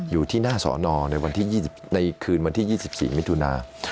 อยู่ที่หน้าศนในคืน๒๔มิถุนา